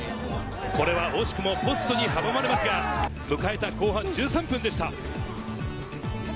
これは惜しくもポストに阻まれますが、迎えた後半１３分でした。